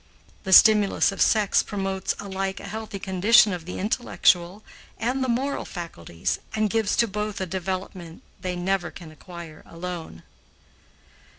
The stimulus of sex promotes alike a healthy condition of the intellectual and the moral faculties and gives to both a development they never can acquire alone.